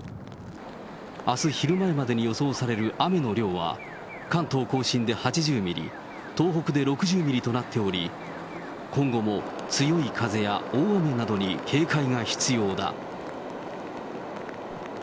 あす昼前までに予想される雨の量は、関東甲信で８０ミリ、東北で６０ミリとなっており、今後も強い風や大雨などに警戒が必要だ。